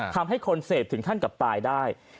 ทำให้คนเสพถึงขั้นกับตายได้